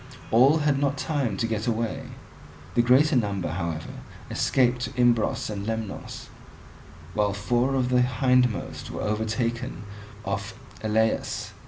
All had not time to get away; the greater number however escaped to Imbros and Lemnos, while four of the hindmost were overtaken off Elaeus.